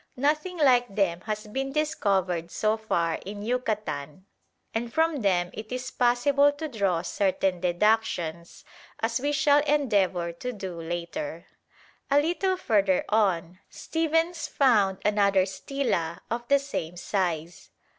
Nothing like them has been discovered so far in Yucatan, and from them it is possible to draw certain deductions, as we shall endeavour to do later. A little further on, Stephens found another stela of the same size.